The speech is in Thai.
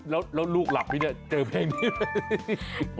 แล้วลูกหลับไหมเจอเพลงนี้